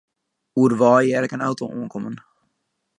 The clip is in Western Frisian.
Oer de wei hear ik in auto oankommen.